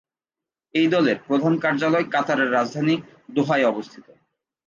এই দলের প্রধান কার্যালয় কাতারের রাজধানী দোহায় অবস্থিত।